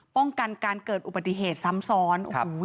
ป้องกันการเกิดอุปนิเหตุซ้ำซ้อน